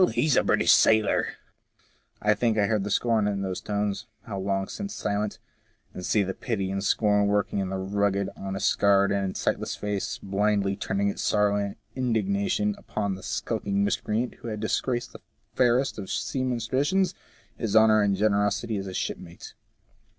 He a British sailor !" I think I hear the scorn in those tones, how long since silent ! and see the pity and scorn working in the rugged, honest, scarred, and sightless face, blindly turning its sorrow and indignation upon the skulking miscreant who had disgraced the fairest of the seaman's traditions, his honour and gene rosity as a shipmate.